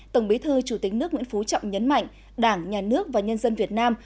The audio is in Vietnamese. tổng bí thư chủ tịch nước nguyễn phú trọng nhấn mạnh đảng nhà nước và nhân dân việt nam